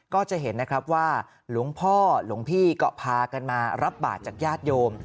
ก็จะเห็นนะครับว่าหลวงพ่อหลวงพี่ก็พากันมารับบาทจากญาติโยม